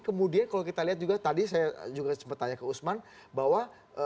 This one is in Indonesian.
kemudian kalau kita lihat juga tadi saya juga sempat tanya ke usman bahwa